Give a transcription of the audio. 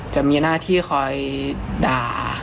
จะมีหน้าที่คอยด่า